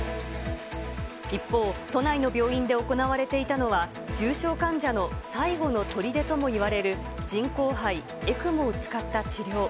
一方、都内の病院で行われていたのは、重症患者の最後のとりでともいわれる人工肺・ＥＣＭＯを使った治療。